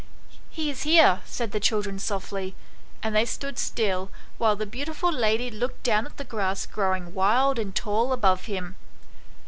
"He is here," said the children softly, and they stood still, while the beautiful lady looked down at the grass growing wild and tall above him.